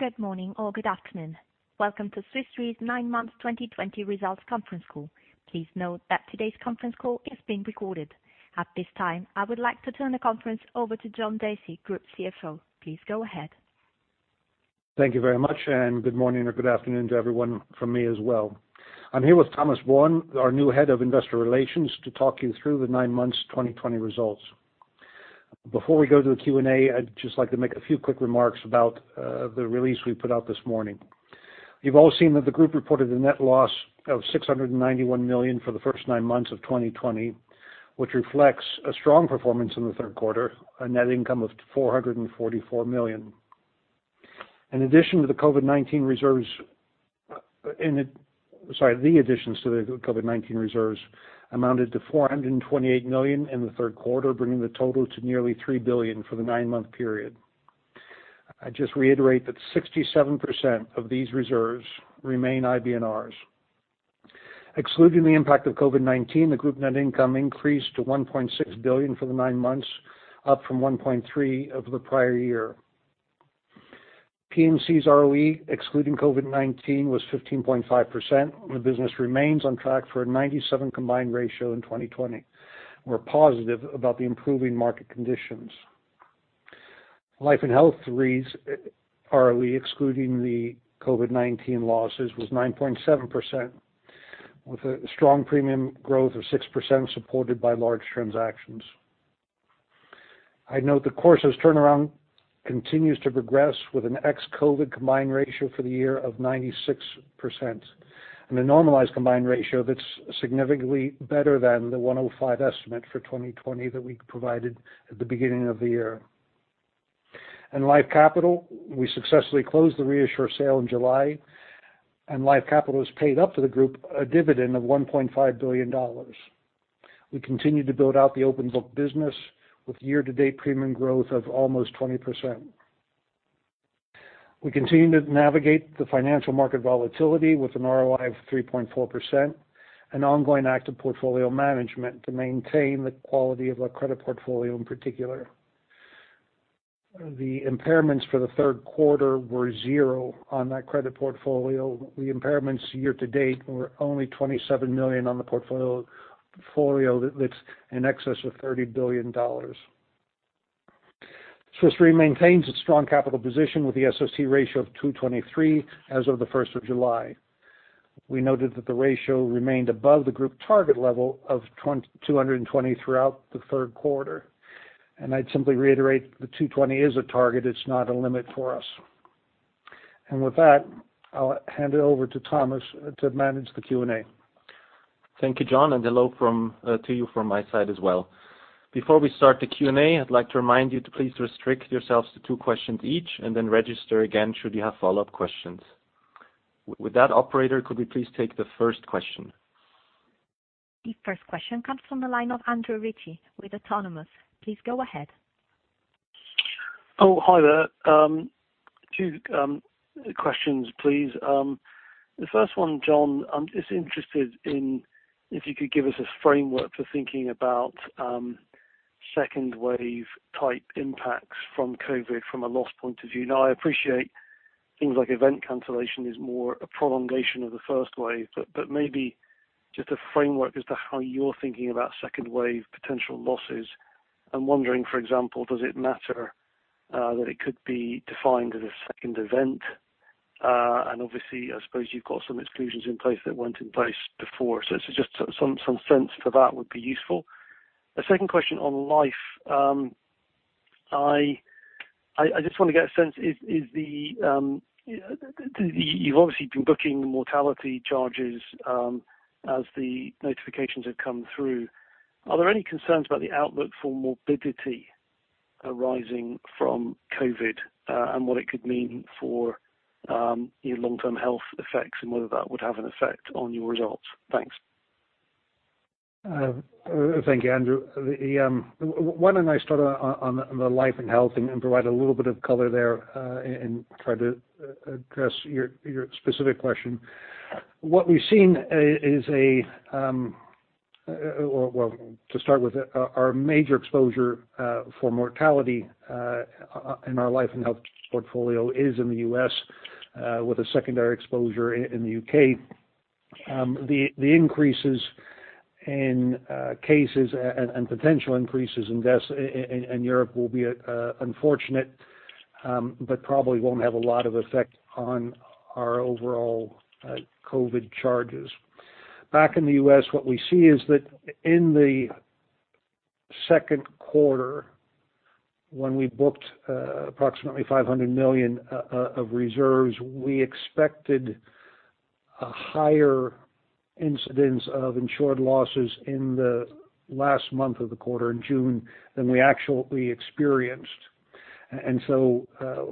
Good morning or good afternoon. Welcome to Swiss Re's nine-month 2020 results conference call. Please note that today's conference call is being recorded. At this time, I would like to turn the conference over to John Dacey, Group CFO. Please go ahead. Thank you very much, good morning or good afternoon to everyone from me as well. I'm here with Thomas Bohun, our new Head of Investor Relations, to talk you through the nine-month 2020 results. Before we go to the Q&A, I'd just like to make a few quick remarks about the release we put out this morning. You've all seen that the group reported a net loss of $691 million for the first nine months of 2020, which reflects a strong performance in the third quarter, a net income of $444 million. The additions to the COVID-19 reserves amounted to $428 million in the third quarter, bringing the total to nearly $3 billion for the nine-month period. I just reiterate that 67% of these reserves remain IBNRs. Excluding the impact of COVID-19, the group's net income increased to $1.6 billion for the nine months, up from $1.3 billion over the prior year. P&C Re's ROE, excluding COVID-19, was 15.5%, and the business remains on track for a 97% combined ratio in 2020. We're positive about the improving market conditions. Life & Health Re's ROE, excluding the COVID-19 losses, was 9.7%, with a strong premium growth of 6% supported by large transactions. I note the CorSo's turnaround continues to progress with an ex-COVID combined ratio for the year of 96% and a normalized combined ratio that's significantly better than the 105% estimate for 2020 that we provided at the beginning of the year. In Life Capital, we successfully closed the ReAssure sale in July, and Life Capital has paid up to the group a dividend of $1.5 billion. We continue to build out the open book business with year-to-date premium growth of almost 20%. We continue to navigate the financial market volatility with an ROI of 3.4% and ongoing active portfolio management to maintain the quality of our credit portfolio in particular. The impairments for the third quarter were zero on that credit portfolio. The impairments year-to-date were only $27 million on the portfolio that sits in excess of $30 billion. Swiss Re maintains its strong capital position with the SST ratio of 223% as of the 1st of July. We noted that the ratio remained above the group target level of 220% throughout the third quarter, I'd simply reiterate the 220% is a target. It's not a limit for us. With that, I'll hand it over to Thomas to manage the Q&A. Thank you, John, and hello to you from my side as well. Before we start the Q&A, I'd like to remind you to please restrict yourselves to two questions each, and then register again should you have follow-up questions. With that, operator, could we please take the first question? The first question comes from the line of Andrew Ritchie with Autonomous. Please go ahead. Hi there. Two questions, please. The first one, John, I'm just interested in if you could give us a framework for thinking about second wave type impacts from COVID from a loss point of view. I appreciate things like event cancellation is more a prolongation of the first wave, but maybe just a framework as to how you're thinking about second wave potential losses. I'm wondering, for example, does it matter that it could be defined as a second event? Obviously, I suppose you've got some exclusions in place that weren't in place before. Just some sense to that would be useful. A second question on Life. I just want to get a sense. You've obviously been booking mortality charges as the notifications have come through. Are there any concerns about the outlook for morbidity arising from COVID, and what it could mean for your long-term health effects and whether that would have an effect on your results? Thanks. Thank you, Andrew. Why don't I start on the Life & Health and provide a little bit of color there, and try to address your specific question. What we've seen is, well, to start with, our major exposure for mortality in our Life & Health portfolio is in the U.S., with a secondary exposure in the U.K. The increases in cases and potential increases in deaths in Europe will be unfortunate, but probably won't have a lot of effect on our overall COVID charges. Back in the U.S., what we see is that in the second quarter, when we booked approximately $500 million of reserves, we expected a higher incidence of insured losses in the last month of the quarter in June than we actually experienced. We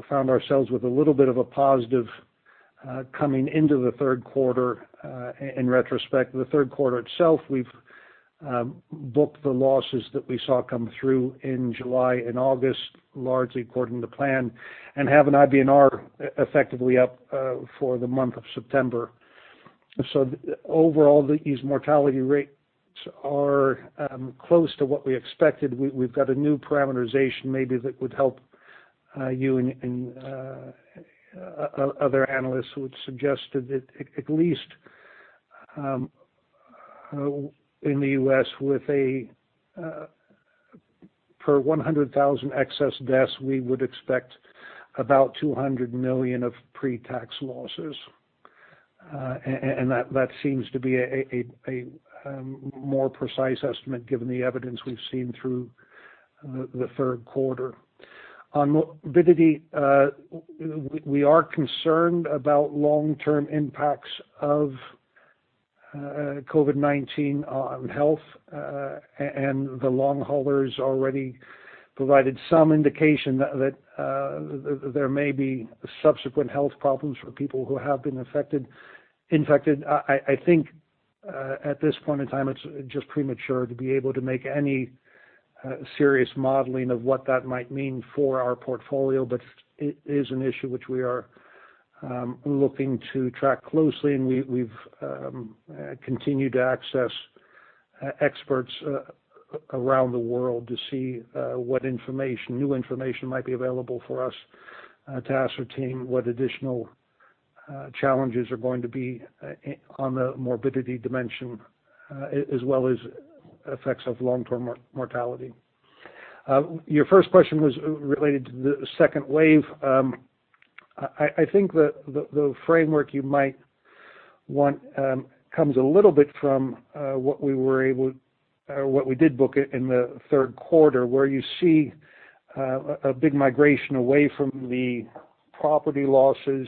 found ourselves with a little bit of a positive coming into the third quarter. In retrospect, the third quarter itself, we've booked the losses that we saw come through in July and August, largely according to plan, and have an IBNR effectively up for the month of September. Overall, these mortality rates are close to what we expected. We've got a new parameterization, maybe that would help you and other analysts who had suggested that at least in the U.S., per 100,000 excess deaths, we would expect about $200 million of pre-tax losses. That seems to be a more precise estimate given the evidence we've seen through the third quarter. On morbidity, we are concerned about the long-term impacts of COVID-19 on health, and the long haulers already provided some indication that there may be subsequent health problems for people who have been infected. I think at this point in time, it's just premature to be able to make any serious modeling of what that might mean for our portfolio. It is an issue which we are looking to track closely, and we've continued to access experts around the world to see what new information might be available for us to ascertain what additional challenges are going to be on the morbidity dimension, as well as the effects of long-term mortality. Your first question was related to the second wave. I think the framework you might want comes a little bit from what we did book in the third quarter, where you see a big migration away from the property losses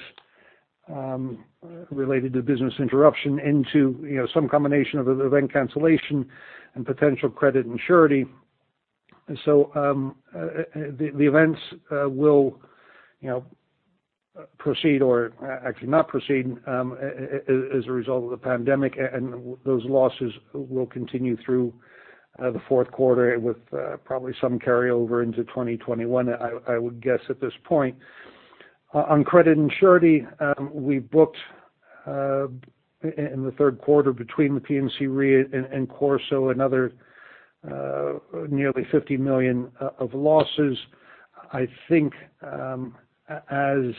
related to business interruption into some combination of event cancellation and potential credit and surety. The events will proceed, or actually not proceed as a result of the pandemic, and those losses will continue through the fourth quarter with probably some carryover into 2021, I would guess at this point. On credit and surety, we booked in the third quarter between the P&C Re and CorSo, another nearly $50 million of losses. I think as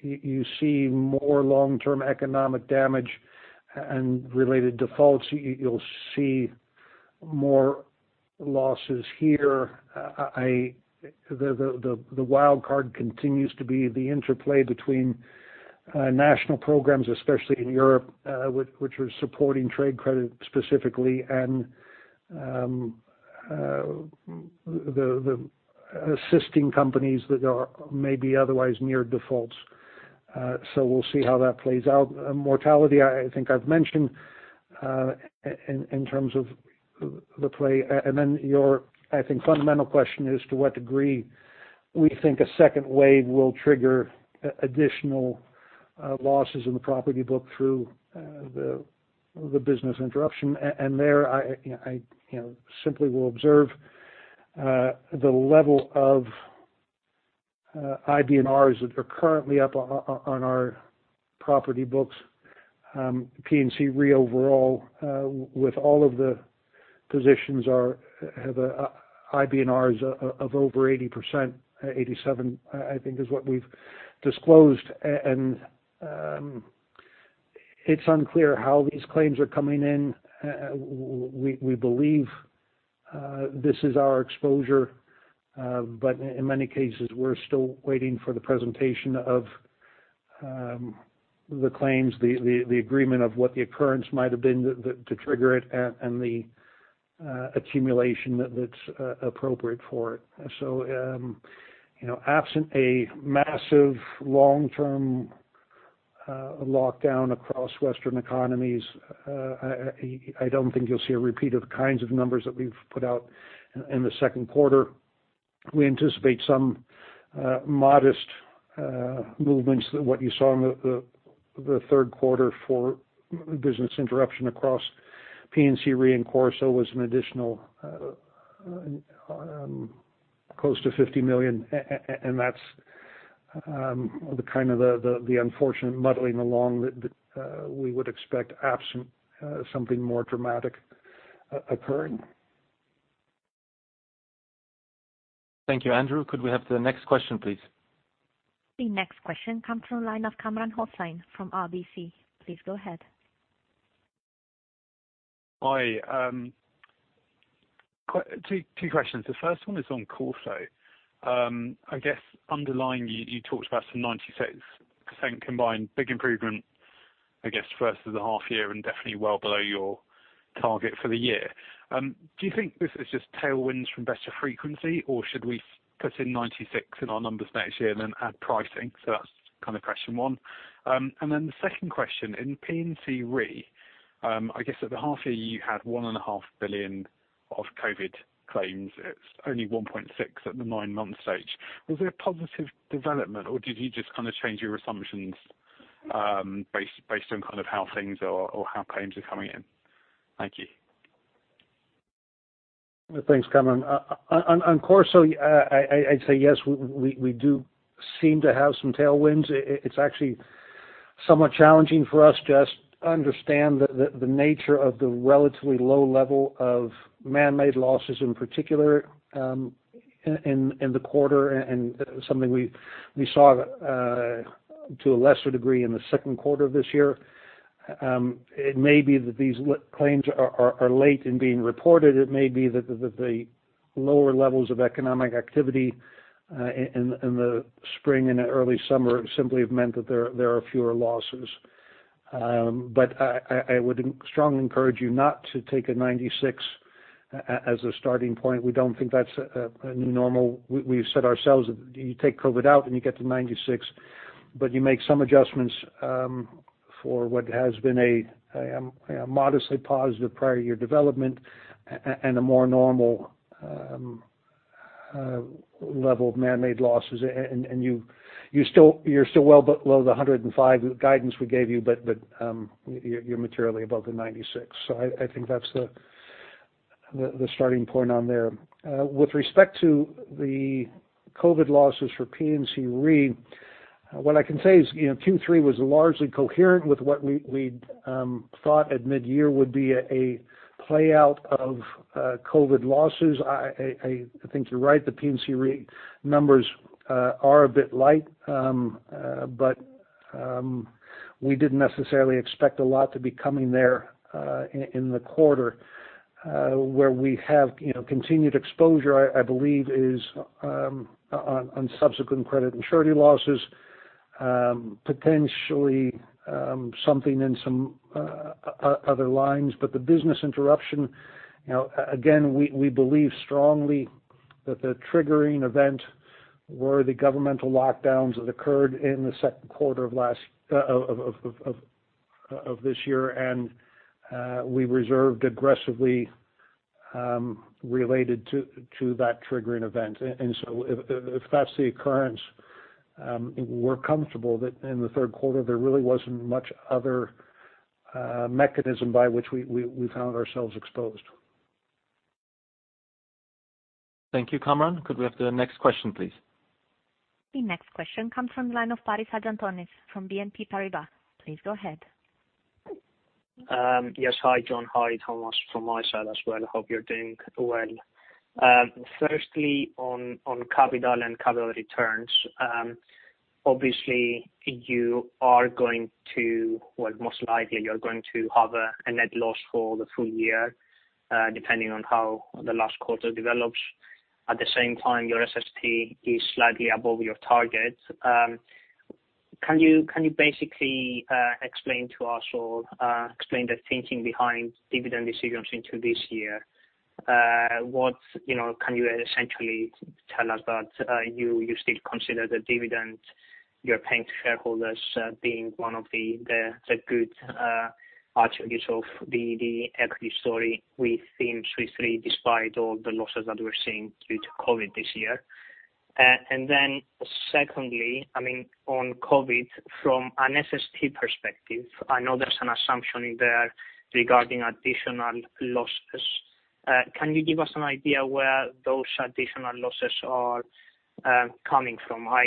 you see more long-term economic damage and related defaults, you'll see more losses here. The wild card continues to be the interplay between national programs, especially in Europe, which are supporting trade credit specifically, and the assisting companies that are maybe otherwise near default. We'll see how that plays out. Mortality, I think I've mentioned in terms of the play, and then your, I think, fundamental question is to what degree we think a second wave will trigger additional losses in the property book through the business interruption. There, I simply will observe the level of IBNRs that are currently up on our property books. P&C Re overall, with all of the positions have IBNRs of over 80%, 87%, I think is what we've disclosed. It's unclear how these claims are coming in. We believe this is our exposure. In many cases, we're still waiting for the presentation of the claims, the agreement of what the occurrence might have been to trigger it, and the accumulation that's appropriate for it. Absent a massive long-term lockdown across Western economies, I don't think you'll see a repeat of the kinds of numbers that we've put out in the second quarter. We anticipate some modest movements that what you saw in the third quarter for business interruption across P&C Re and CorSo was an additional close to $50 million, and that's the kind of unfortunate muddling along that we would expect absent something more dramatic occurring. Thank you, Andrew. Could we have the next question, please? The next question comes from the line of Kamran Hossain from RBC. Please go ahead. Hi. Two questions. The first one is on CorSo. Underlying, you talked about some 96% combined, a big improvement, I guess, versus the half year and definitely well below your target for the year. Do you think this is just tailwinds from better frequency, or should we put in 96% in our numbers next year and then add pricing? That's question one. The second question, in P&C Re, I guess at the half-year, you had $1.5 billion of COVID-19 claims. It's only $1.6 billion at the nine-month stage. Was there a positive development, or did you just change your assumptions based on how things are or how claims are coming in? Thank you. Thanks, Kamran. On CorSo, I'd say yes, we do seem to have some tailwinds. It's actually somewhat challenging for us to understand the nature of the relatively low level of man-made losses, in particular, in the quarter, and something we saw to a lesser degree in the second quarter of this year. It may be that these claims are late in being reported. It may be that the lower levels of economic activity in the spring and early summer have simply meant that there are fewer losses. I would strongly encourage you not to take a 96% as a starting point. We don't think that's a new normal. We've said ourselves, you take COVID-19 out, and you get to 96%, but you make some adjustments for what has been a modestly positive prior year development and a more normal level of man-made losses. You're still well below the 105% guidance we gave you, but you're materially above the 96%. I think that's the starting point on there. With respect to the COVID losses for P&C Re, what I can say is Q3 was largely coherent with what we'd thought at mid-year would be a play-out of COVID losses. I think you're right, the P&C Re numbers are a bit light. We didn't necessarily expect a lot to be coming there in the quarter. Where we have continued exposure, I believe is on subsequent credit and surety losses, potentially something in some other lines. The business interruption, again, we believe strongly that the triggering event were the governmental lockdowns that occurred in the second quarter of this year, and we reserved aggressively related to that triggering event. If that's the occurrence, we're comfortable that in the third quarter, there really wasn't much other mechanism by which we found ourselves exposed. Thank you, Kamran. Could we have the next question, please? The next question comes from the line of Paris Hadjiantonis from BNP Paribas. Please go ahead. Yes. Hi, John. Hi, Thomas. From my side as well, hope you're doing well. Firstly, on capital and capital returns, obviously, most likely you're going to have a net loss for the full year, depending on how the last quarter develops. At the same time, your SST is slightly above your target. Can you basically explain to us or explain the thinking behind dividend decisions into this year? What can you essentially tell us that you still consider the dividend you're paying to shareholders being one of the good attributes of the equity story we've seen in Swiss Re, despite all the losses that we're seeing due to COVID-19 this year? Secondly, on COVID-19 from an SST perspective, I know there's an assumption in there regarding additional losses. Can you give us an idea where those additional losses are coming from? My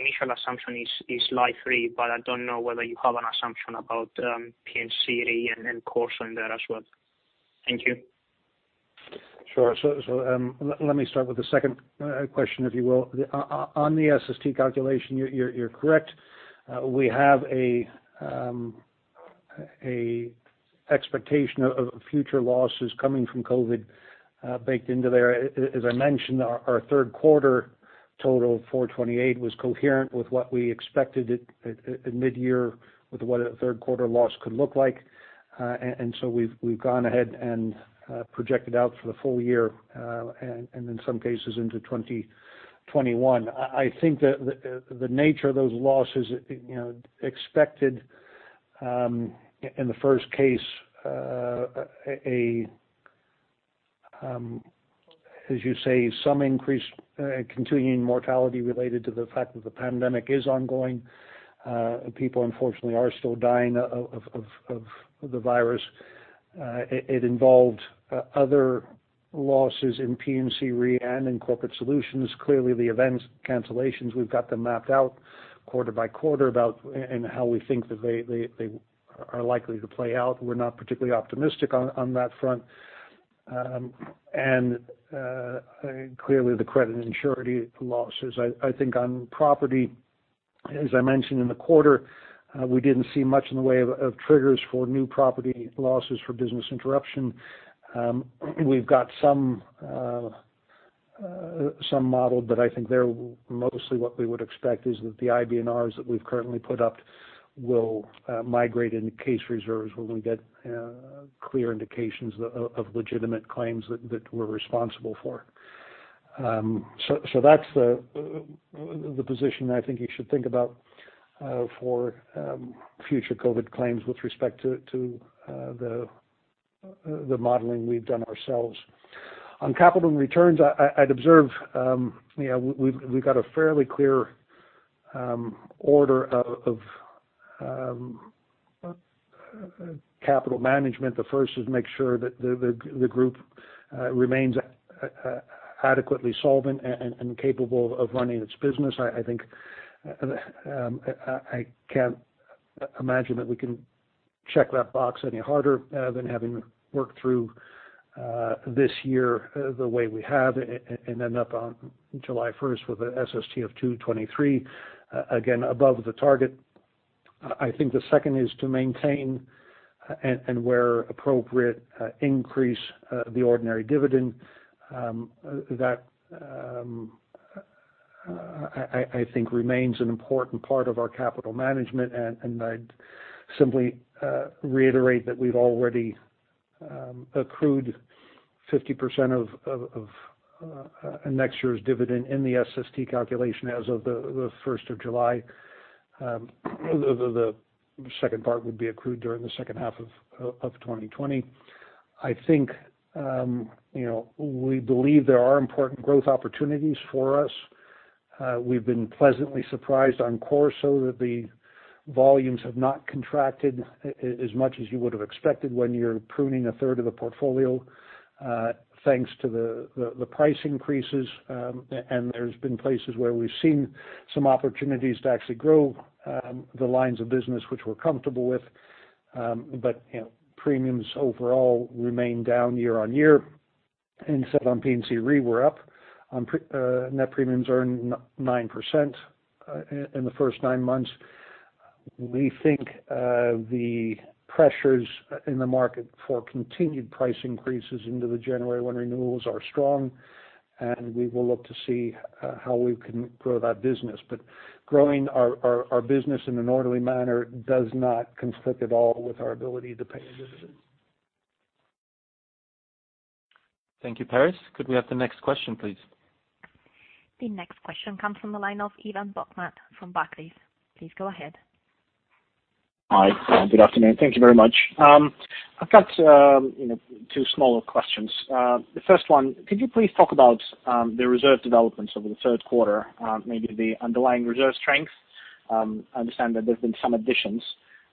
initial assumption is Life Re. I don't know whether you have an assumption about P&C Re and CorSo in there as well. Thank you. Sure. Let me start with the second question, if you will. On the SST calculation, you're correct. We have an expectation of future losses coming from COVID-19 baked into there. As I mentioned, our third quarter total of $428 was coherent with what we expected at mid-year, with what a third quarter loss could look like. We've gone ahead and projected out for the full year, and in some cases into 2021. I think the nature of those losses expected in the first case, as you say, is some increased continuing mortality related to the fact that the pandemic is ongoing. People, unfortunately, are still dying of the virus. It involved other losses in P&C Re and in Corporate Solutions. Clearly, the event cancellations, we've got them mapped out quarter by quarter, and how we think that they are likely to play out. We're not particularly optimistic on that front. Clearly, the credit and surety losses. I think on property, as I mentioned in the quarter, we didn't see much in the way of triggers for new property losses for business interruption. We've got some modeled, but I think they're mostly what we would expect is, that the IBNRs that we've currently put up will migrate into case reserves when we get clear indications of legitimate claims that we're responsible for. That's the position I think you should think about for future COVID claims with respect to the modeling we've done ourselves. On capital returns, I'd observe we've got a fairly clear order of capital management. The first is make sure that the group remains adequately solvent and capable of running its business. I think I can't imagine that we can check that box any harder than having worked through this year the way we have, and end up on July 1st with an SST of 223, again, above the target. I think the second is to maintain, and where appropriate, increase the ordinary dividend. That, I think, remains an important part of our capital management, and I'd simply reiterate that we've already accrued 50% of next year's dividend in the SST calculation as of the 1st of July. The second part would be accrued during the second half of 2020. I think we believe there are important growth opportunities for us. We've been pleasantly surprised on CorSo that the volumes have not contracted as much as you would've expected when you're pruning a third of the portfolio, thanks to the price increases. There's been places where we've seen some opportunities to actually grow the lines of business which we're comfortable with. Premiums overall remain down year-on-year. Instead, on P&C Re, we're up on net premiums earned 9% in the first nine months. We think the pressures in the market for continued price increases into the January 1 renewals are strong, and we will look to see how we can grow that business. Growing our business in an orderly manner does not conflict at all with our ability to pay a dividend. Thank you, Paris. Could we have the next question, please? The next question comes from the line of Ivan Bokhmat from Barclays. Please go ahead. Hi. Good afternoon. Thank you very much. I've got two smaller questions. The first one, could you please talk about the reserve developments over the third quarter, maybe the underlying reserve strength? I understand that there's been some additions.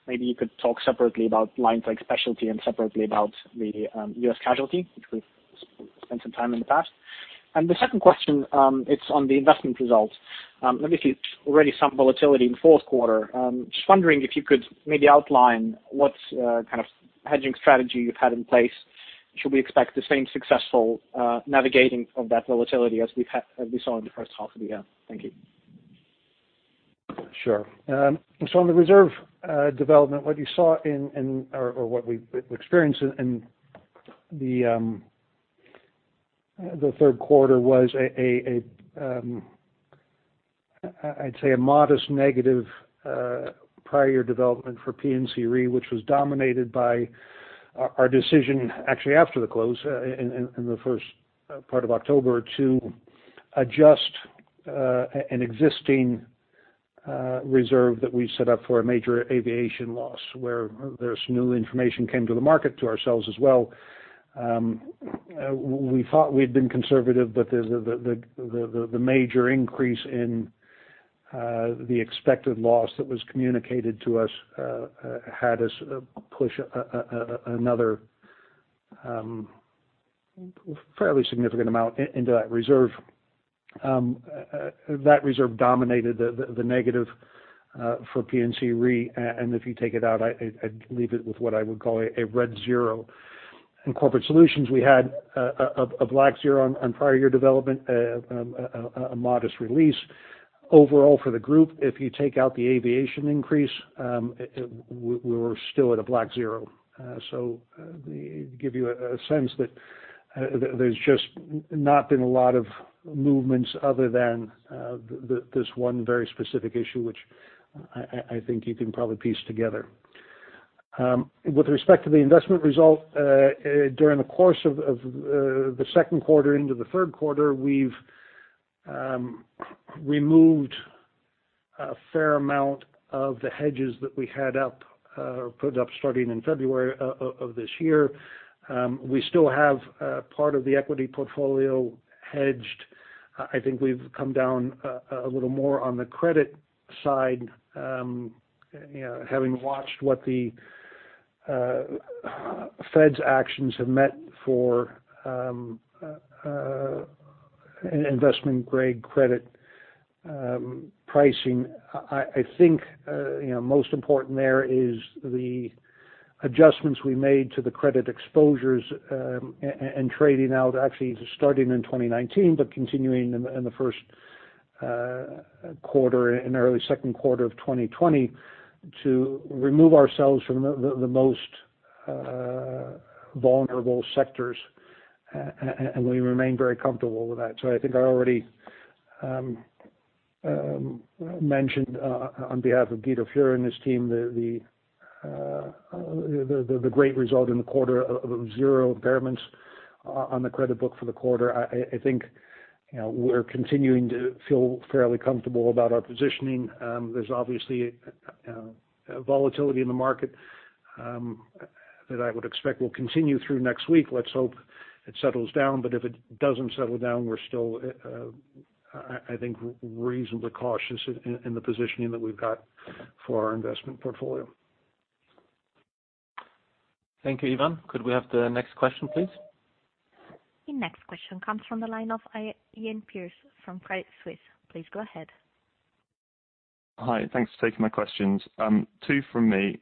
Maybe you could talk separately about lines like specialty and separately about the U.S. casualty, which we've spent some time in the past. The second question is on the investment results. Obviously, already some volatility in the fourth quarter. Just wondering if you could maybe outline what kind of hedging strategy you've had in place. Should we expect the same successful navigating of that volatility as we saw in the first half of the year? Thank you. Sure. On the reserve development, what you saw or what we experienced in the third quarter was, I'd say, a modest negative prior year development for P&C Re, which was dominated by our decision, actually after the close, in the first part of October, to adjust an existing reserve that we set up for a major aviation loss, where there's some new information came to the market, to ourselves as well. We thought we'd been conservative, but the major increase in the expected loss that was communicated to us had us push another fairly significant amount into that reserve. That reserve dominated the negative for P&C Re. If you take it out, I'd leave it with what I would call a red zero. In Corporate Solutions, we had a black zero on prior year development, a modest release. Overall, for the group, if you take out the aviation increase, we're still at a black zero. To give you a sense that there's just not been a lot of movements other than this one very specific issue, which I think you can probably piece together. With respect to the investment result, during the course of the second quarter into the third quarter, we've removed a fair amount of the hedges that we had up or put up starting in February of this year. We still have part of the equity portfolio hedged. I think we've come down a little more on the credit side, having watched what the Fed's actions have meant for investment-grade credit pricing. I think the most important thing is the adjustments we made to the credit exposures, trading out actually starting in 2019, but continuing in the first quarter and early second quarter of 2020 to remove ourselves from the most vulnerable sectors, and we remain very comfortable with that. I think I already mentioned on behalf of Guido Fürer and his team, the great result in the quarter of zero impairments on the credit book for the quarter. I think we're continuing to feel fairly comfortable about our positioning. There's obviously volatility in the market. That I would expect will continue through next week. Let's hope it settles down, but if it doesn't settle down, we're still, I think, reasonably cautious in the positioning that we've got for our investment portfolio. Thank you. Ivan. Could we have the next question, please? The next question comes from the line of Iain Pearce from Credit Suisse. Please go ahead. Hi, thanks for taking my questions. Two from me.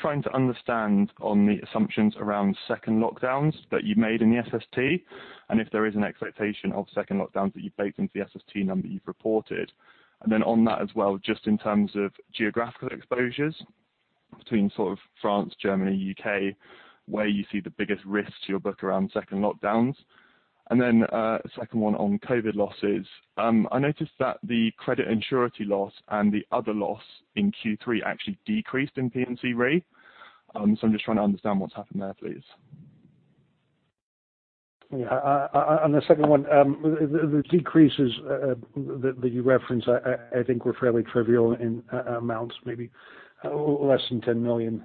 Trying to understand on the assumptions around second lockdowns that you made in the SST, and if there is an expectation of second lockdowns that you've baked into the SST number you've reported. On that as well, in terms of geographical exposures between France, Germany, U.K., where you see the biggest risk to your book around second lockdowns. A second one on COVID losses. I noticed that the credit and surety loss and the other loss in Q3 actually decreased in P&C Re. I'm trying to understand what's happened there, please. Yeah. On the second one, the decreases that you reference, I think, were fairly trivial in amounts, maybe less than $10 million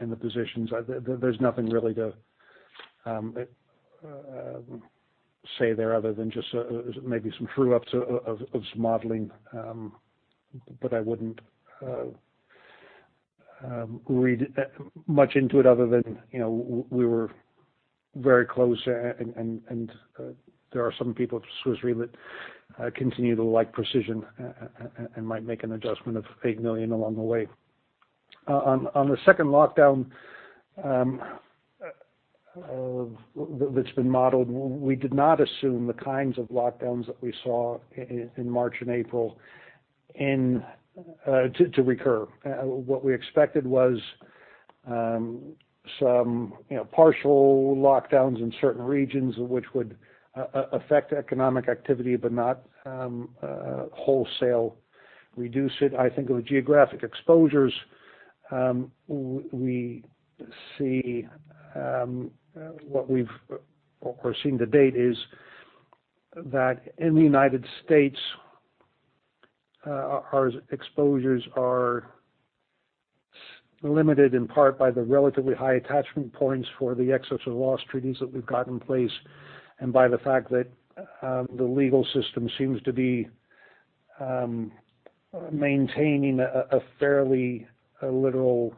in the positions. There's nothing really to say there other than just maybe some true-ups of some modeling. I wouldn't read much into it other than we were very close, and there are some people at Swiss Re that continue to like precision and might make an adjustment of $8 million along the way. On the second lockdown that's been modeled, we did not assume the kinds of lockdowns that we saw in March and April to recur. What we expected was some partial lockdowns in certain regions, which would affect economic activity but not wholesale reduce it. I think with geographic exposures, what we've seen to date is that in the United States, our exposures are limited in part by the relatively high attachment points for the excess of loss treaties that we've got in place, and by the fact that the legal system seems to be maintaining a fairly literal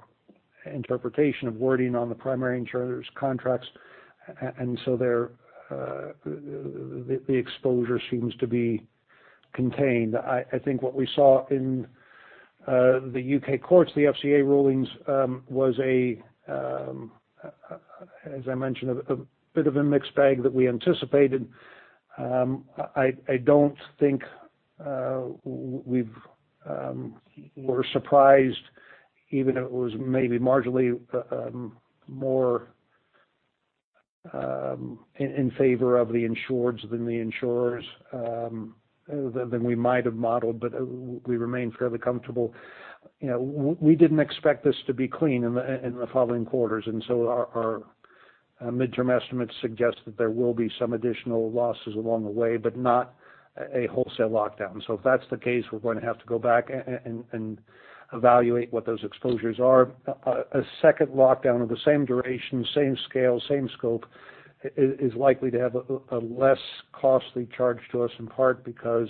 interpretation of wording on the primary insurer's contracts. The exposure seems to be contained. I think what we saw in the U.K. courts, the FCA rulings, was, as I mentioned, a bit of a mixed bag that we anticipated. I don't think we were surprised, even it was maybe marginally more in favor of the insureds than the insurers than we might have modeled, but we remain fairly comfortable. We didn't expect this to be clean in the following quarters. Our midterm estimates suggest that there will be some additional losses along the way, but not a wholesale lockdown. If that's the case, we're going to have to go back and evaluate what those exposures are. A second lockdown of the same duration, same scale, same scope is likely to have a less costly charge to us in part because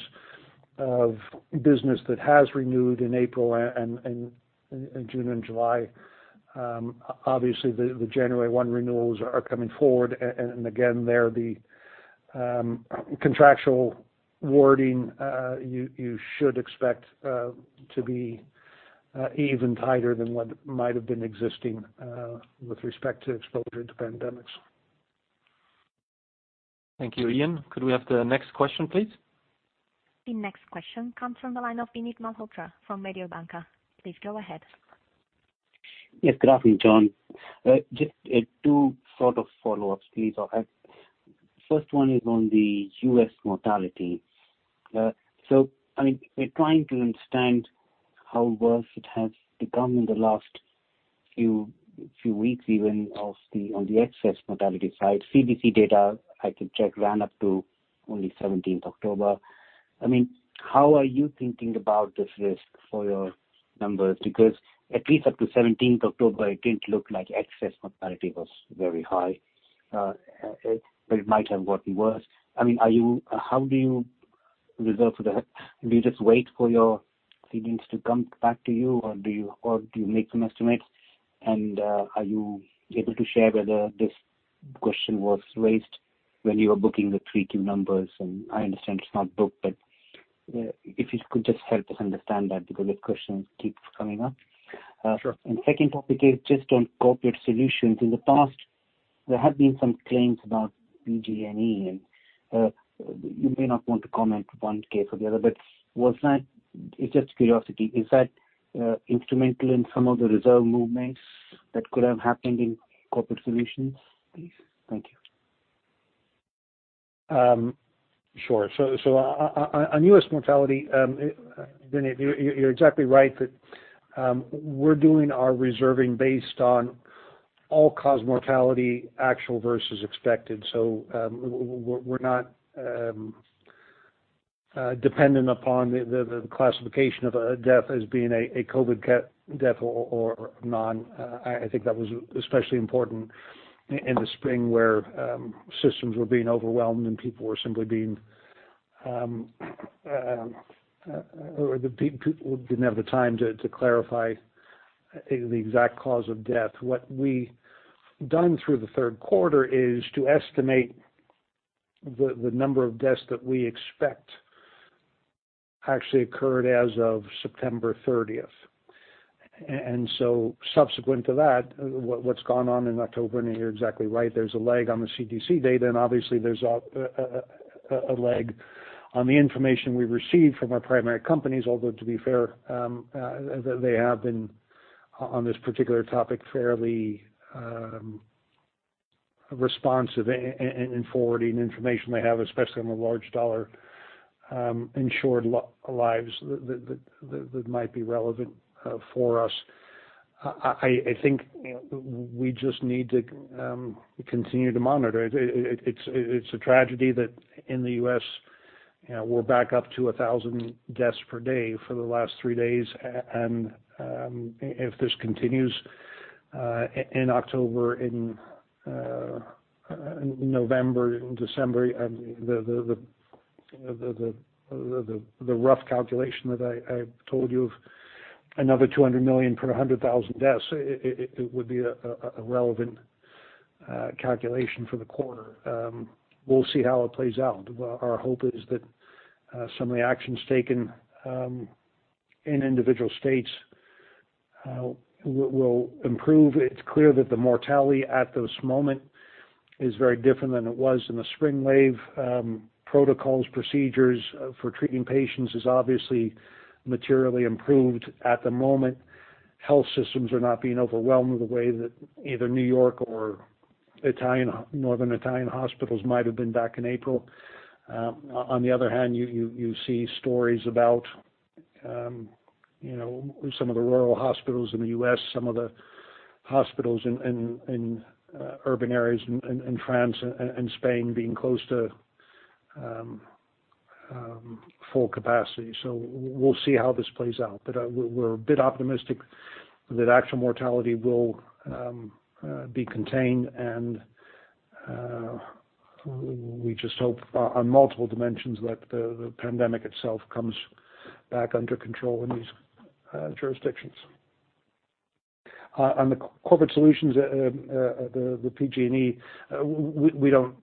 of business that has renewed in April and June, and July. Obviously, the January 1 renewals are coming forward, and again, there is the contractual wording you should expect to be even tighter than what might have been existing with respect to exposure to pandemics. Thank you, Iain. Could we have the next question, please? The next question comes from the line of Vinit Malhotra from Mediobanca. Please go ahead. Yes. Good afternoon, John. Just two sorts of follow-ups, please. First one is on the U.S. mortality. We're trying to understand how worse it has become in the last few weeks, even on the excess mortality side. CDC data I could check ran up to only 17th October. How are you thinking about this risk for your numbers? At least up to 17th October, it didn't look like excess mortality was very high. It might have gotten worse. How do you resolve for that? Do you just wait for your cedents to come back to you, or do you make some estimates? Are you able to share whether this question was raised when you were booking the 3Q numbers? I understand it's not booked, but if you could just help us understand that, because this question keeps coming up. Sure. Second topic is just on Corporate Solutions. In the past, there have been some claims about PG&E, and you may not want to comment one case or the other, but it's just curiosity. Is that instrumental in some of the reserve movements that could have happened in Corporate Solutions, please? Thank you. Sure. On U.S. mortality, Vinit, you're exactly right that we're doing our reserving based on all-cause mortality, actual versus expected, not depending upon the classification of a death as being a COVID death or none. I think that was especially important in the spring, where systems were being overwhelmed, and people didn't have the time to clarify the exact cause of death. What we done through the third quarter is to estimate the number of deaths that we expect actually occurred as of September 30th. Subsequent to that, what's gone on in October, and you're exactly right, there's a lag on the CDC data, and obviously, there's a lag on the information we received from our primary companies. Although, to be fair, they have been, on this particular topic, fairly responsive in forwarding information they have, especially on the large dollar insured lives that might be relevant for us. I think we just need to continue to monitor. It's a tragedy that in the U.S., we're back up to 1,000 deaths per day for the last three days. If this continues in October, in November, in December, the rough calculation that I told you of another $200 million per 100,000 deaths, it would be a relevant calculation for the quarter. We'll see how it plays out. Our hope is that some of the actions taken in individual states will improve. It's clear that the mortality at this moment is very different than it was in the spring wave. Protocols, procedures for treating patients have obviously materially improved at the moment. Health systems are not being overwhelmed the way that either New York or Northern Italian hospitals might have been back in April. On the other hand, you see stories about some of the rural hospitals in the U.S., some of the hospitals in urban areas in France and Spain being close to full capacity. We'll see how this plays out. We're a bit optimistic that actual mortality will be contained, and we just hope on multiple dimensions that the pandemic itself comes back under control in these jurisdictions. On the Corporate Solutions, PG&E, we don't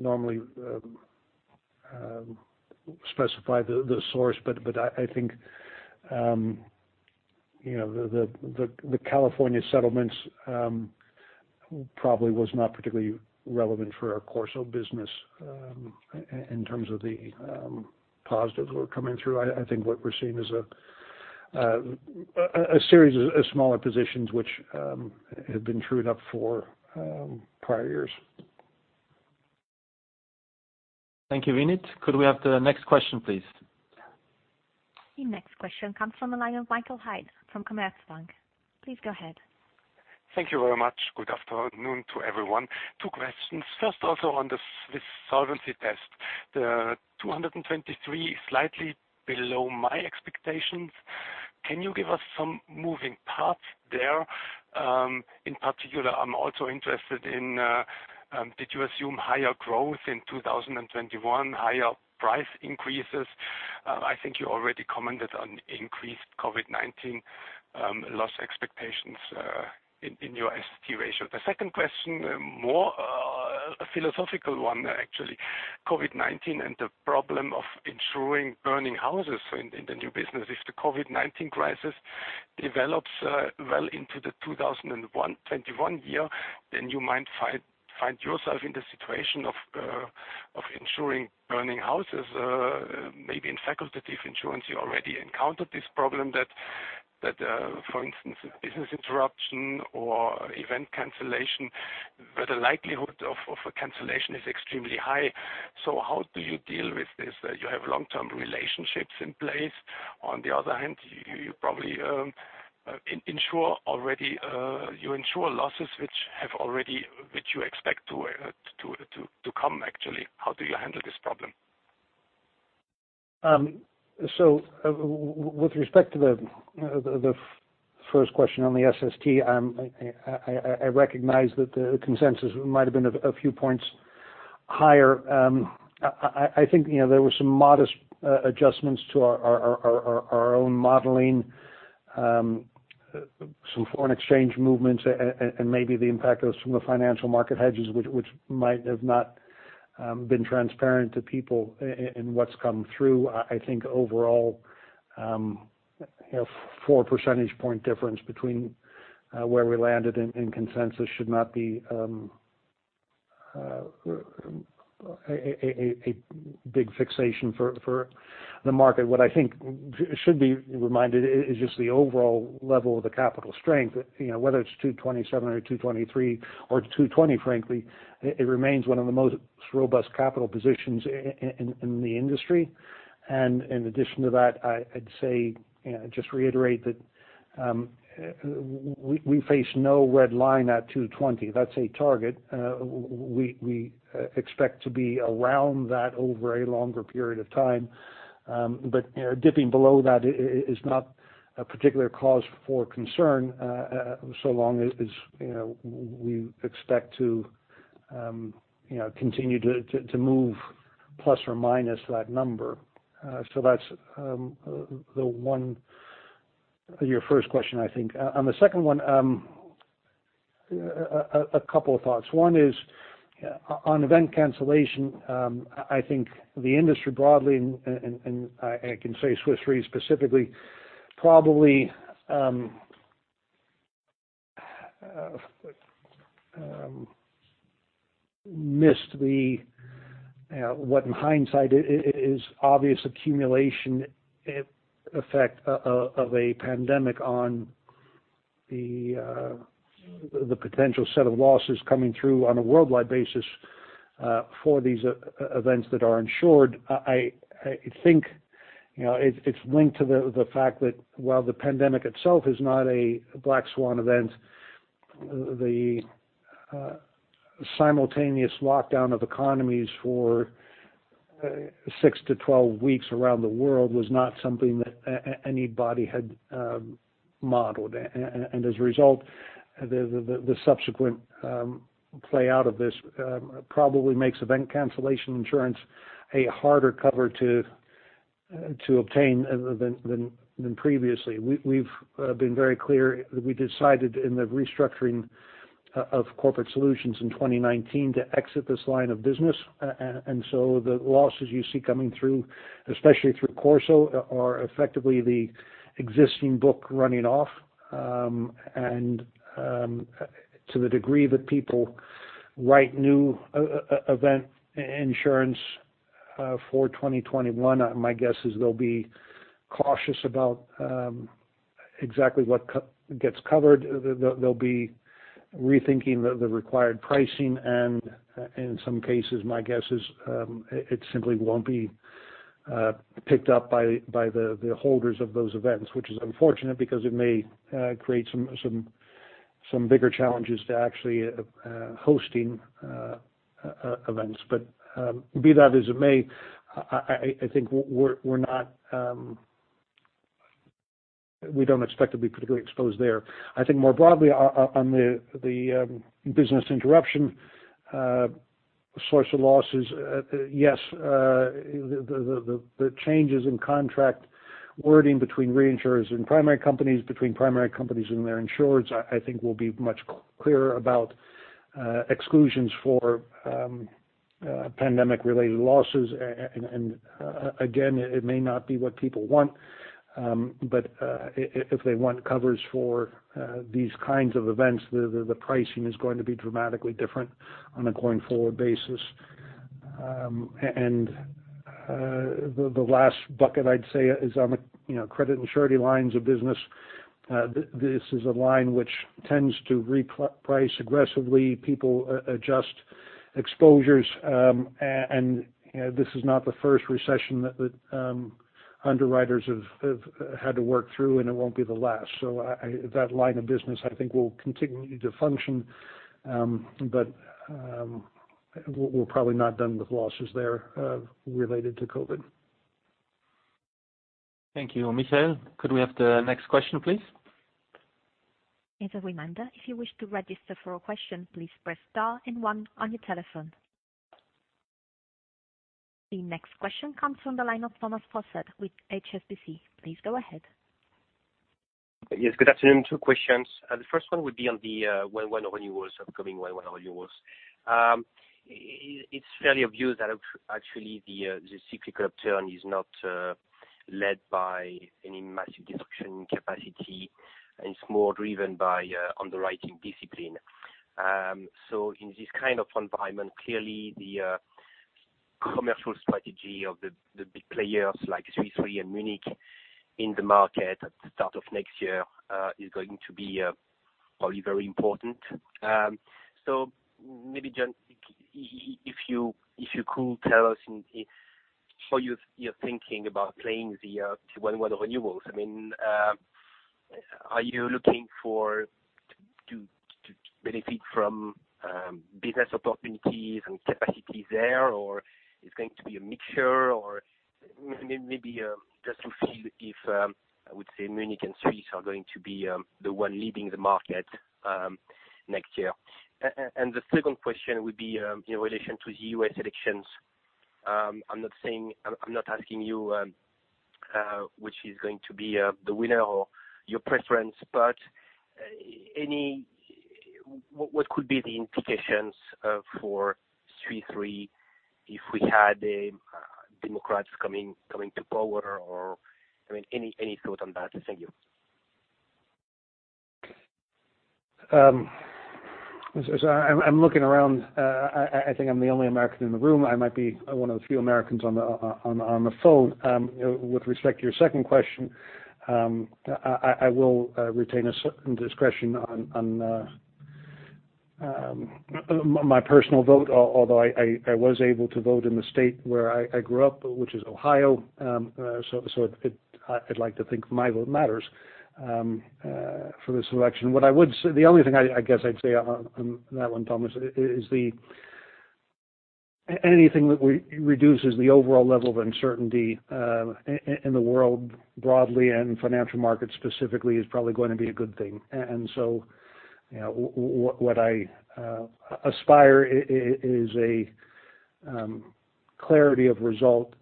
normally specify the source, but I think the California settlements probably was not particularly relevant for our CorSo business in terms of the positives that were coming through. I think what we're seeing is a series of smaller positions which have been trued up for prior years. Thank you, Vinit. Could we have the next question, please? The next question comes from the line of Michael Haid from Commerzbank. Please go ahead. Thank you very much. Good afternoon to everyone. Two questions. First, also on the Swiss Solvency Test. The 223% is slightly below my expectations. Can you give us some moving parts there? In particular, I'm also interested in did you assume higher growth in 2021, higher price increases? I think you already commented on increased COVID-19 loss expectations in your SST ratio. The second question is a more philosophical one, actually. COVID-19 and the problem of insuring burning houses in the new business. If the COVID-19 crisis develops well into 2021 year, then you might find yourself in the situation of insuring burning houses. Maybe in facultative insurance, you already encountered this problem that, for instance, business interruption or event cancellation, where the likelihood of a cancellation is extremely high. How do you deal with this? You have long-term relationships in place. On the other hand, you insure losses that you expect to come, actually. How do you handle this problem? With respect to the first question on the SST, I recognize that the consensus might have been a few points higher. I think there were some modest adjustments to our own modeling, some foreign exchange movements, and maybe the impact of some of the financial market hedges, which might not have been transparent to people in what's come through. I think overall, a 4 percentage point difference between where we landed and the consensus should not be a big fixation for the market. What I think should be reminded is just the overall level of the capital strength. Whether it's 227% or 223% or 220%, frankly, it remains one of the most robust capital positions in the industry. In addition to that, I'd just reiterate that we face no red line at 220. That's a target. We expect to be around that over a longer period of time. Dipping below that is not a particular cause for concern, so long as we expect to continue to move ± that number. That's your first question, I think. On the second one, a couple of thoughts. One is on event cancellation, I think the industry broadly, and I can say Swiss Re specifically, probably missed what, in hindsight, is the obvious accumulation effect of a pandemic on the potential set of losses coming through on a worldwide basis for these events that are insured. I think it's linked to the fact that while the pandemic itself is not a black swan event, the simultaneous lockdown of economies for 6-12 weeks around the world was not something that anybody had modeled. As a result, the subsequent play out of this probably makes event cancellation insurance a harder cover to obtain than previously. We've been very clear. We decided in the restructuring of Corporate Solutions in 2019 to exit this line of business. The losses you see coming through, especially through CorSo, are effectively the existing book running off. To the degree that people write new event cancellation insurance for 2021, my guess is they'll be cautious about exactly what gets covered. They'll be rethinking the required pricing, and in some cases, my guess is it simply won't be picked up by the holders of those events, which is unfortunate because it may create some bigger challenges to actually hosting events. Be that as it may, I think we don't expect to be particularly exposed there. I think more broadly on the business interruption source of losses, yes, the changes in contract wording between reinsurers and primary companies, between primary companies and their insurers, I think will be much clearer about exclusions for pandemic-related losses. Again, it may not be what people want. If they want coverage for these kinds of events, the pricing is going to be dramatically different on a going-forward basis. The last bucket, I'd say, is on the credit and surety lines of business. This is a line which tends to reprice aggressively. People adjust exposures. This is not the first recession that the underwriters have had to work through, and it won't be the last. That line of business, I think, will continue to function. We're probably not done with losses there related to COVID. Thank you. Michael, could we have the next question, please? As a reminder, if you wish to register for a question, please press star and one on your telephone. The next question comes from the line of Thomas Fossard with HSBC. Please go ahead. Yes, good afternoon. Two questions. The first one would be on the upcoming 1/1 renewals. It's fairly obvious that, actually, the cyclical turn is not led by any massive destruction capacity. It's more driven by underwriting discipline. In this kind of environment, clearly, the commercial strategy of the big players like Swiss Re and Munich in the market at the start of next year is going to be probably very important. Maybe, John, if you could tell us how you're thinking about playing the 1/1 renewals. Are you looking to benefit from business opportunities and capacity there, or is it going to be a mixture? Maybe just to see if, I would say, Munich and Swiss are going to be the one leading the market next year. The second question would be in relation to the U.S. elections. I'm not asking you which is going to be the winner or your preference, but what could be the implications for Swiss Re if we had Democrats coming to power, or any thoughts on that? Thank you. I'm looking around. I think I'm the only American in the room. I might be one of the few Americans on the phone. With respect to your second question, I will retain a certain discretion on my personal vote, although I was able to vote in the state where I grew up, which is Ohio. I'd like to think my vote matters for this election. The only thing I guess I'd say on that one, Thomas, is anything that reduces the overall level of uncertainty in the world broadly and financial markets specifically is probably going to be a good thing. What I aspire is a clarity of result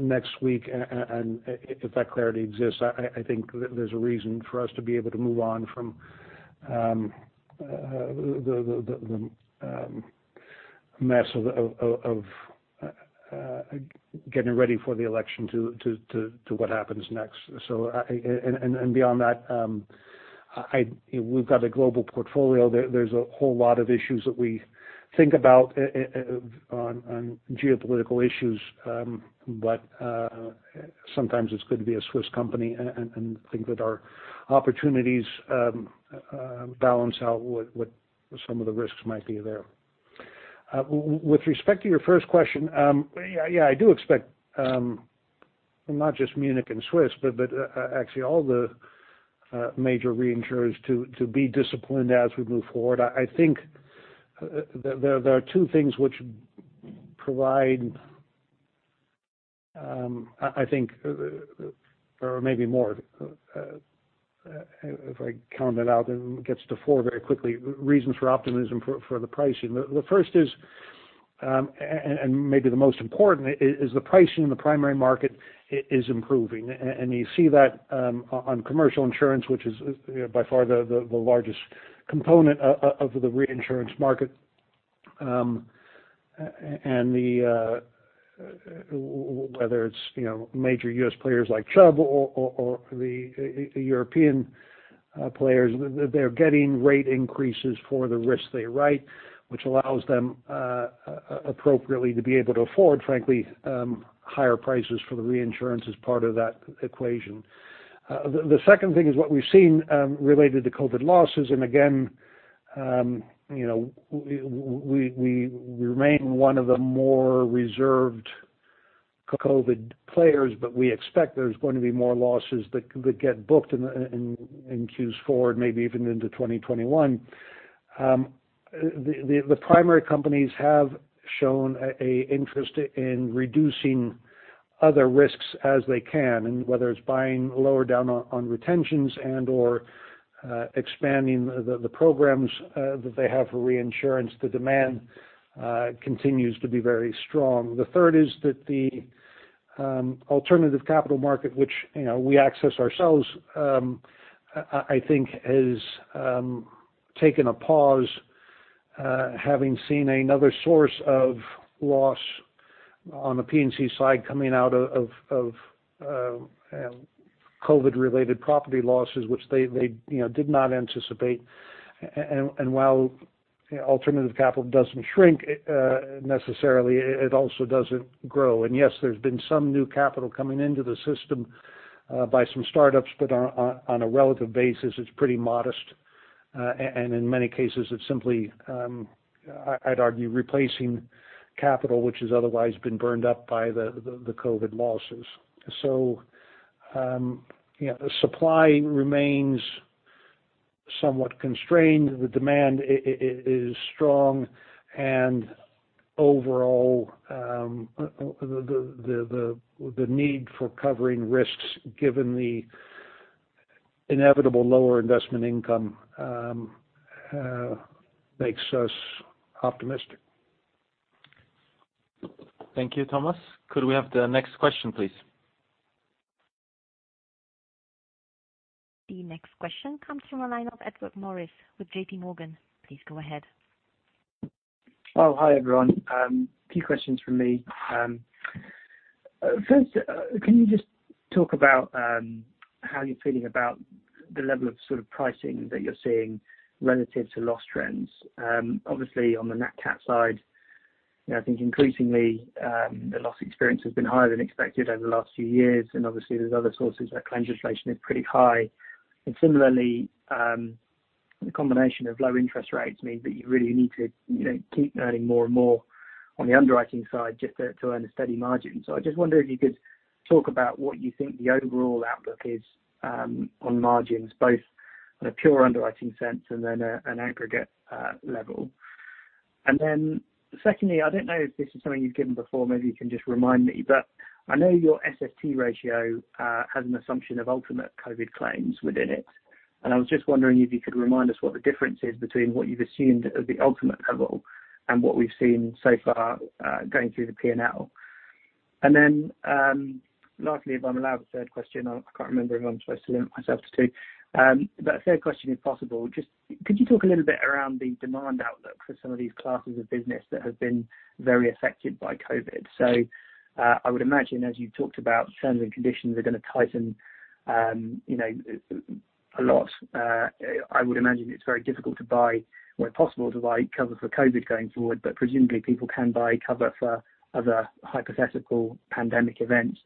next week. If that clarity exists, I think there's a reason for us to be able to move on from the mess of getting ready for the election to what happens next. Beyond that, we've got a global portfolio. There's a whole lot of issues that we think about on geopolitical issues, but sometimes it's good to be a Swiss company and think that our opportunities balance out what some of the risks might be there. With respect to your first question, I do expect not just Munich and Swiss, but actually all the major reinsurers to be disciplined as we move forward. I think there are two things which provide, I think, or maybe more, if I count it out, then it gets to four very quickly, reasons for optimism for the pricing. The first is, and maybe the most important, is the pricing in the primary market is improving. You see that on commercial insurance, which is by far the largest component of the reinsurance market. Whether it's major U.S. players like Chubb or the European players, they're getting rate increases for the risks they write, which allows them appropriately to be able to afford, frankly, higher prices for the reinsurance as part of that equation. The second thing is what we've seen related to COVID losses, and again, we remain one of the more reserved COVID players, but we expect there's going to be more losses that get booked in Q4, maybe even into 2021. The primary companies have shown an interest in reducing other risks as they can, and whether it's buying lower down on retentions and/or expanding the programs that they have for reinsurance, the demand continues to be very strong. The third is that the alternative capital market, which we access ourselves, I think, has taken a pause, having seen another source of loss on the P&C side coming out of COVID-related property losses, which they did not anticipate. While alternative capital doesn't necessarily shrink, it also doesn't grow. Yes, there's been some new capital coming into the system by some startups, but on a relative basis, it's pretty modest. In many cases, it's simply, I'd argue, replacing capital which has otherwise been burned up by the COVID losses. The supply remains somewhat constrained. The demand is strong, and overall, the need for covering risks, given the inevitable lower investment income, makes us optimistic. Thank you, Thomas. Could we have the next question, please? The next question comes from the line of Edward Morris with JPMorgan. Please go ahead. Oh, hi, everyone. A few questions from me. First, can you just talk about how you're feeling about the level of pricing that you're seeing relative to loss trends? Obviously, on the Nat Cat side, I think increasingly the loss experience has been higher than expected over the last few years, and obviously, there's other sources that claim legislation is pretty high. Similarly, the combination of low interest rates means that you really need to keep earning more and more on the underwriting side just to earn a steady margin. I just wonder if you could talk about what you think the overall outlook is on margins, both on a pure underwriting sense and then at an aggregate level. Secondly, I don't know if this is something you've given before, maybe you can just remind me, but I know your SST ratio has an assumption of ultimate COVID claims within it. I was just wondering if you could remind us what the difference is between what you've assumed at the ultimate level and what we've seen so far going through the P&L. Lastly, if I'm allowed a third question, I can't remember if I'm supposed to limit myself to two. A third question, if possible, just could you talk a little bit around the demand outlook for some of these classes of business that have been very affected by COVID? I would imagine that, as you talked about, terms and conditions are going to tighten a lot. I would imagine it's very difficult to buy, where possible, to buy cover for COVID going forward. Presumably, people can buy cover for other hypothetical pandemic events.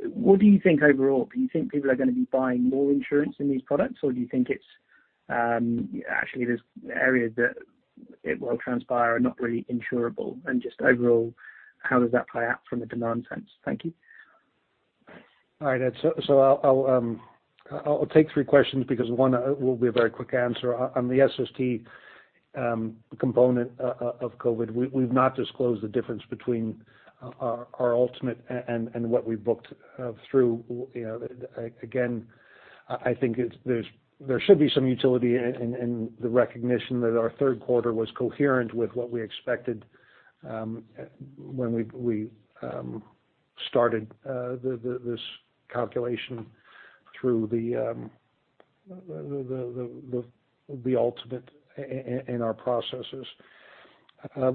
What do you think overall? Do you think people are going to be buying more insurance in these products, or do you think it's actually there is areas that it will transpire are not really insurable, and just overall, how does that play out from a demand sense? Thank you. All right, Ed. I'll take three questions because one will be a very quick answer. On the SST component of COVID. We've not disclosed the difference between our ultimate and what we've booked through. Again, I think there should be some utility in the recognition that our third quarter was coherent with what we expected when we started this calculation through the ultimate in our processes.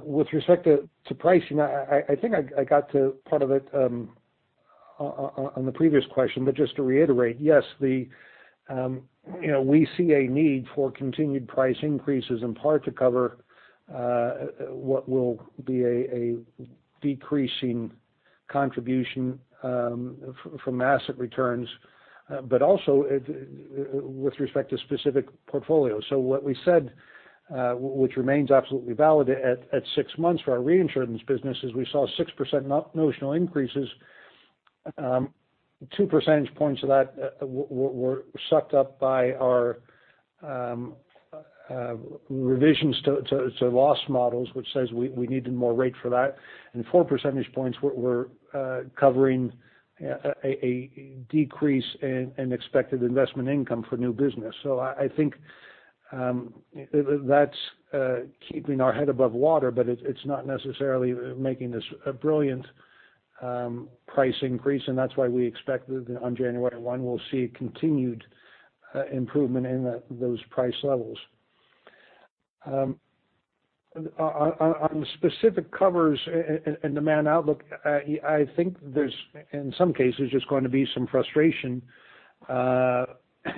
With respect to pricing, I think I got to part of it on the previous question, but just to reiterate, yes, we see a need for continued price increases in part to cover what will be a decreasing contribution from asset returns, but also with respect to specific portfolios. What we said, which remains absolutely valid at six months for our reinsurance business, is we saw 6% notional increases. 2 percentage points of that were sucked up by our revisions to loss models, which says we needed more rate for that, and 4 percentage points were covering a decrease in expected investment income for new business. I think that's keeping our head above water, but it's not necessarily making this a brilliant price increase, and that's why we expect that on January 1, we'll see continued improvement in those price levels. On specific covers and demand outlook, I think there's, in some cases, just going to be some frustration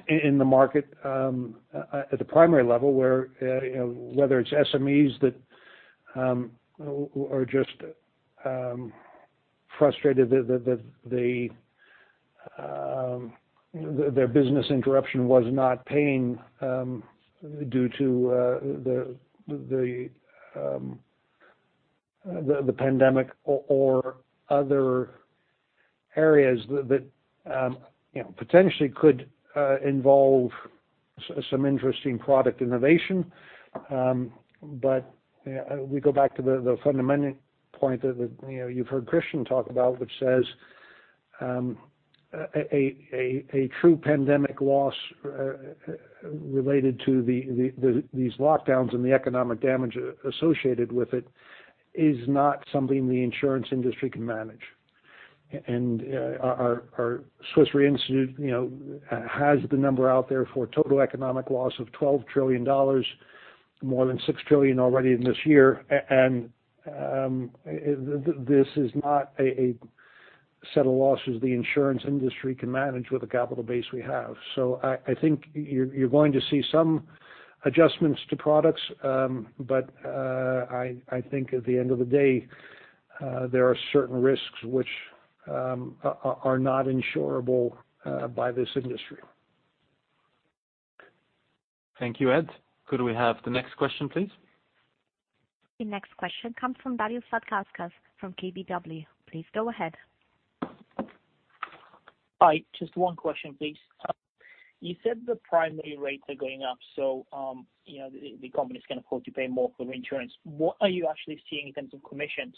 in the market at the primary level, where, whether it's SMEs that are just frustrated that their business interruption was not paying due to the pandemic or other areas that potentially could involve some interesting product innovation. We go back to the fundamental point that you've heard Christian talk about, which says a true pandemic loss related to these lockdowns and the economic damage associated with it is not something the insurance industry can manage. Our Swiss Re Institute has the number out there for total economic loss of $12 trillion, more than $6 trillion already in this year. This is not a set of losses the insurance industry can manage with the capital base we have. I think you're going to see some adjustments to products. I think at the end of the day, there are certain risks which are not insurable by this industry. Thank you, Ed. Could we have the next question, please? The next question comes from Darius Satkauskas from KBW. Please go ahead. Hi. Just one question, please. You said the primary rates are going up, so the companies can afford to pay more for reinsurance. What are you actually seeing in terms of commissions,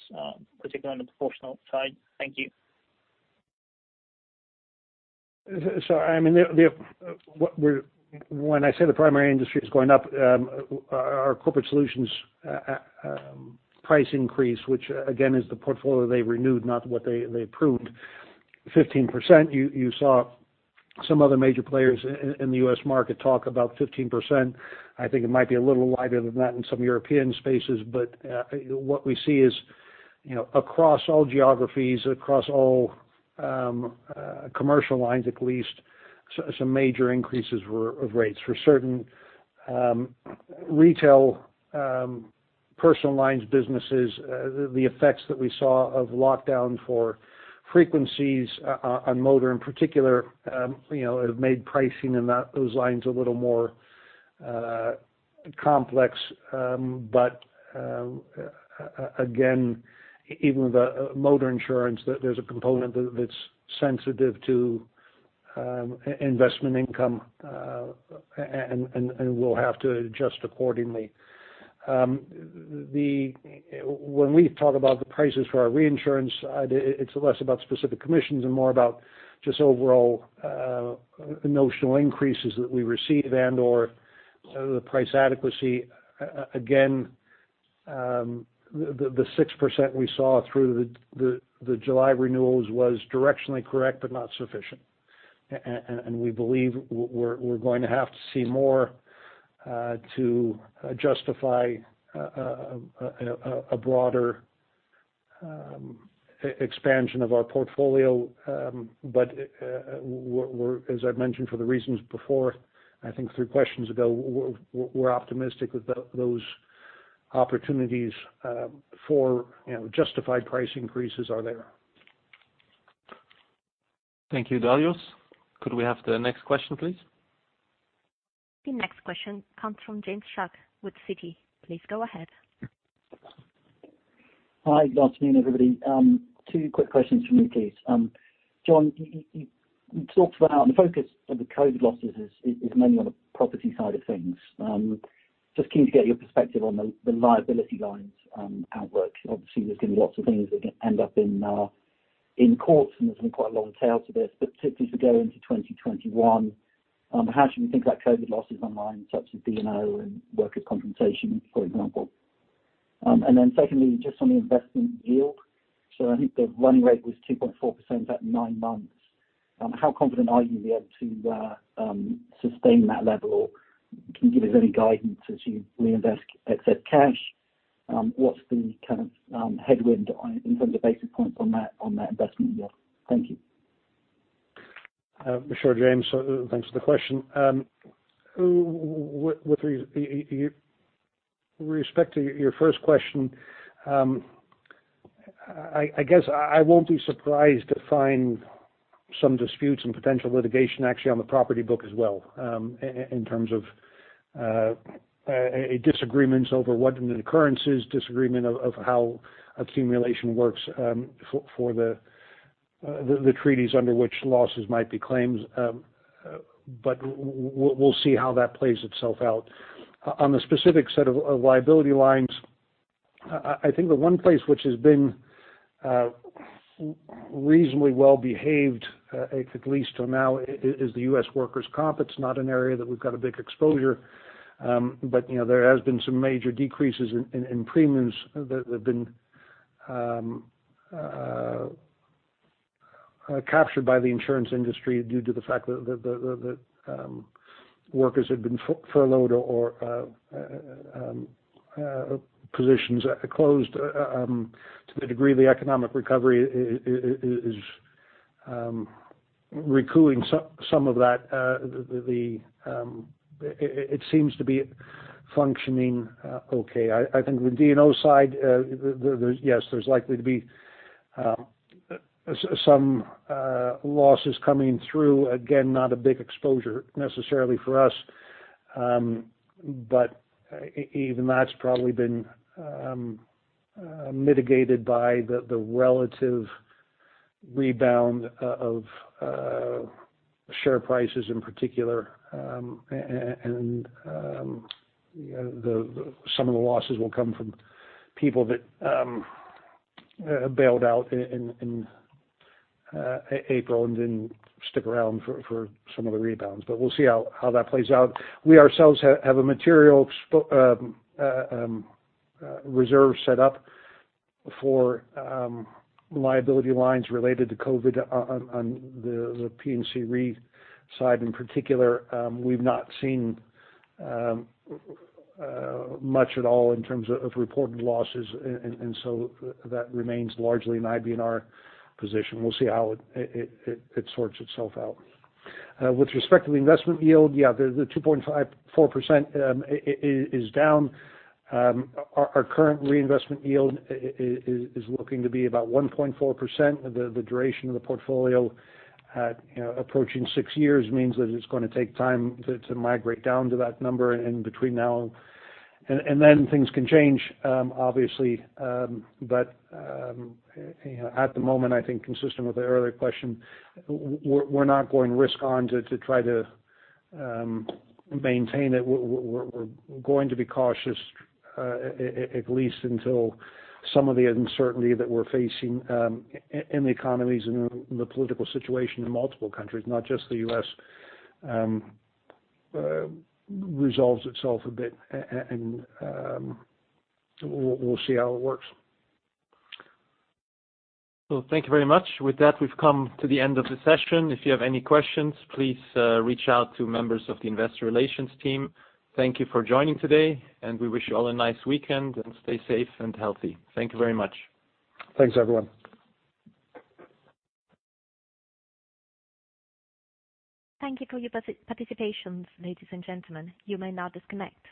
particularly on the proportional side? Thank you. Sorry. When I say the primary industry is going up, our Corporate Solutions price increase, which again is the portfolio they renewed, not what they approved, 15%. You saw some other major players in the U.S. market talk about 15%. I think it might be a little lighter than that in some European spaces. What we see is across all geographies, across all commercial lines at least, some major increases in rates. For certain retail personal lines businesses, the effects that we saw of lockdown on frequencies for motor in particular have made pricing in those lines a little more complex. Again, even with the motor insurance, there's a component that's sensitive to investment income and will have to adjust accordingly. When we talk about the prices for our reinsurance side, it's less about specific commissions and more about just overall notional increases that we receive and/or the price adequacy. Again, the 6% we saw through the July renewals was directionally correct but not sufficient. We believe we're going to have to see more to justify a broader expansion of our portfolio. As I've mentioned for the reasons before, I think three questions ago, we're optimistic that those opportunities for justified price increases are there. Thank you, Darius. Could we have the next question, please? The next question comes from James Shuck with Citi. Please go ahead. Hi, good afternoon, everybody. Two quick questions from me, please. John, you talked about the focus of the COVID losses is mainly on the property side of things. Keen to get your perspective on the liability lines outlook. Obviously, there's going to be lots of things that end up in courts, and there's been quite a long tail to this. Particularly as we go into 2021, how should we think about COVID losses online, such as D&O and workers' compensation, for example? Secondly, on the investment yield. I think the running rate was 2.4% that nine months. How confident are you able to sustain that level? Can you give us any guidance as you reinvest excess cash? What's the kind of headwind in terms of basis points on that investment yield? Thank you. Sure, James. Thanks for the question. With respect to your first question, I guess I won't be surprised to find some disputes and potential litigation actually on the property book as well, in terms of disagreements over what an occurrence is, disagreement of how accumulation works for the treaties under which losses might be claimed. We'll see how that plays itself out. On the specific set of liability lines, I think the one place which has been reasonably well-behaved, at least till now, is the U.S. workers' comp. It's not an area that we've got a big exposure. There has been some major decreases in premiums that have been captured by the insurance industry due to the fact that workers have been furloughed or positions closed, to the degree the economic recovery is recovering some of that. It seems to be functioning okay. I think the D&O side, yes, there's likely to be some losses coming through. Not a big exposure necessarily for us. Even that's probably been mitigated by the relative rebound of share prices in particular. Some of the losses will come from people who bailed out in April and didn't stick around for some of the rebounds. We'll see how that plays out. We ourselves have a material reserve set up for liability lines related to COVID on the P&C Re side in particular. We've not seen much at all in terms of reported losses. That remains largely an IBNR position. We'll see how it sorts itself out. With respect to the investment yield, yeah, the 2.4% is down. Our current reinvestment yield is looking to be about 1.4%. The duration of the portfolio at approaching six years means that it's going to take time to migrate down to that number in between now. Then things can change, obviously. At the moment, I think consistent with the earlier question, we're not going to risk on to try to maintain it. We're going to be cautious, at least until some of the uncertainty that we're facing in the economies and the political situation in multiple countries, not just the U.S., resolves itself a bit. We'll see how it works. Well, thank you very much. With that, we've come to the end of the session. If you have any questions, please reach out to members of the investor relations team. Thank you for joining today, and we wish you all a nice weekend, and stay safe and healthy. Thank you very much. Thanks, everyone. Thank you for your participation, ladies and gentlemen. You may now disconnect.